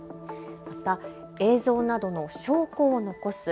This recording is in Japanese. また映像などの証拠を残す。